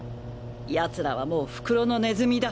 奴らはもう袋のネズミだ！